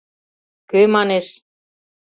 Кӧ манеш?